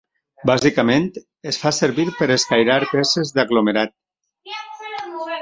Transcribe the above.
Bàsicament, es fa servir per escairar peces d'aglomerat.